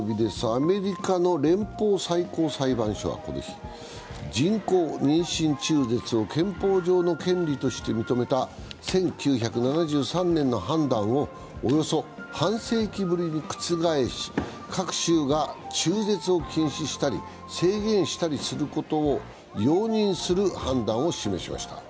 アメリカの連邦最高裁判所は、この日、人工妊娠中絶を憲法上の権利として認めた１９７３年の判断をおよそ半世紀ぶりに覆し各州が、中絶を禁止したり制限したりすることを容認する判断を示しました。